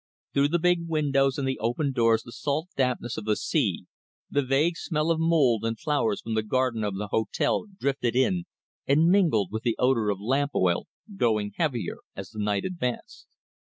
Through the big windows and the open doors the salt dampness of the sea, the vague smell of mould and flowers from the garden of the hotel drifted in and mingled with the odour of lamp oil, growing heavier as the night advanced.